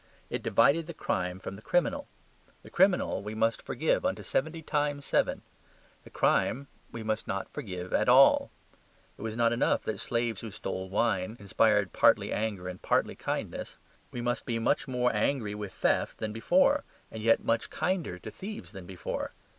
It divided the crime from the criminal. The criminal we must forgive unto seventy times seven. The crime we must not forgive at all. It was not enough that slaves who stole wine inspired partly anger and partly kindness. We must be much more angry with theft than before, and yet much kinder to thieves than before.